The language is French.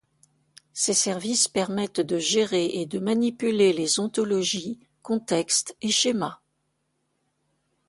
Ces services permettent de gérer et de manipuler les ontologies, contextes et schémas.